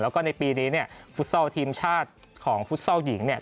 แล้วก็ในปีนี้เนี่ยฟุตซอลทีมชาติของฟุตซอลหญิงเนี่ย